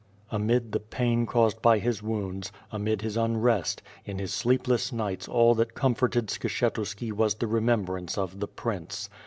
Amid the pain caused by his wounds, amid his unrest, in his sleepless nights all that comforted Skshetuski was the re membrance of the prince.